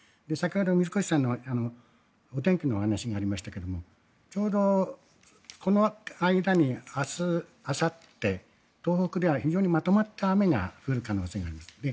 先ほど水越さんのお天気の話がありましたがちょうどこの間に明日あさって、東北では非常にまとまった雨が降る可能性があります。